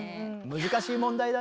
難しい問題だね。